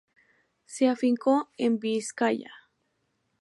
Se afincó en Vizcaya.